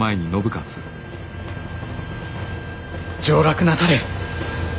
上洛なされ。